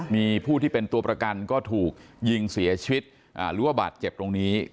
มีผู้ที่เป็นตัวประกันก็ถูกยิงเสียชีวิตหรือว่าบาดเจ็บตรงนี้